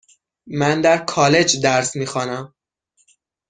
من در کالج درس میخوانم.